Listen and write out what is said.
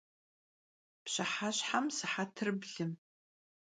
Pşıheşhem sıhetır blım.